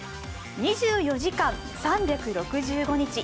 ２４時間３６５日